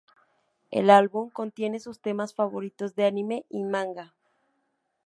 El álbum contiene sus temas favoritos de anime y manga.